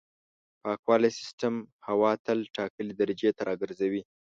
پاکوالي سیستم هوا تل ټاکلې درجې ته راګرځوي.